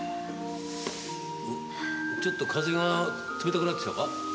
ちょっと風が冷たくなってきたか？